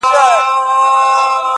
خپل په خپلو درنېږي.